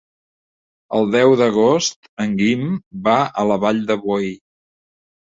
El deu d'agost en Guim va a la Vall de Boí.